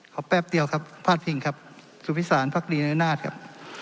ขอแปปเดียวครับภาพิงค์ครับสุมศรศาลภรรณานุนาฏครับ